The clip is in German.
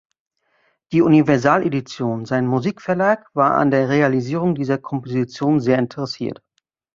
Die Universal Edition, sein Musikverlag, war an der Realisierung dieser Komposition sehr interessiert.